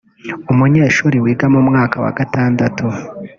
umunyeshuri wiga mu mwaka wa gatandatu